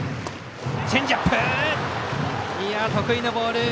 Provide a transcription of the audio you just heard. チェンジアップ、得意のボール。